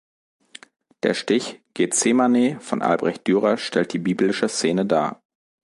Der Stich "Gethsemane" von Albrecht Dürer stellt die biblische Szene dar.